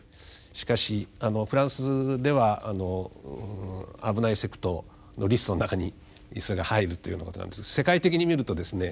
しかしフランスでは危ないセクトのリストの中にそれが入るというようなことなんですが世界的に見るとですね